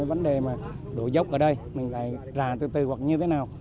với vấn đề mà đổ dốc ở đây mình phải ra từ từ hoặc như thế nào